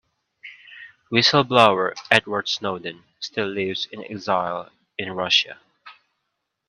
Whistle-blower Edward Snowden still lives in exile in Russia.